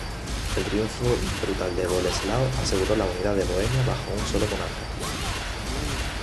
El triunfo brutal de Boleslao aseguró la unidad de Bohemia bajo un sólo monarca.